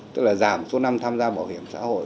tức là giảm số năm tham gia bảo hiểm xã hội